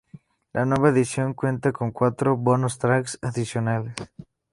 La nueva edición cuenta con cuatro "bonus tracks" adicionales.